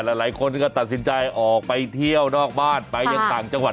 หลายคนก็ตัดสินใจออกไปเที่ยวนอกบ้านไปยังต่างจังหวัด